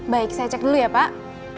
baik saya cek dulu ya pak